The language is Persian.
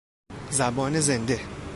زبان زنده